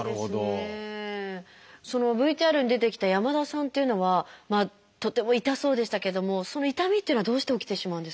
ＶＴＲに出てきた山田さんっていうのはとても痛そうでしたけどもその痛みっていうのはどうして起きてしまうんですか？